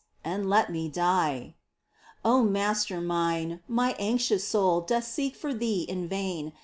And let me die ! O Master mine ! My anxious soul Doth seek for Thee in vain.